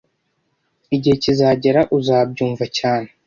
Igihe kizagera uzabyumva cyane